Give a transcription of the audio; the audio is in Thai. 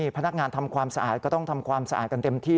พนักงานทำความสะอาดก็ต้องทำความสะอาดกันเต็มที่